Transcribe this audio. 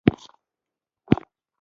سهار د امید تازه کول دي.